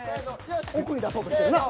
奥に出そうとしてるな。